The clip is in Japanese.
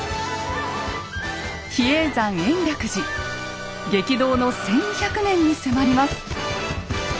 比叡山延暦寺激動の１，２００年に迫ります。